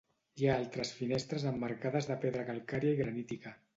Hi ha altres finestres emmarcades de pedra calcària i granítica.